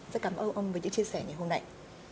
rất cảm ơn ông với những chia sẻ ngày hôm nay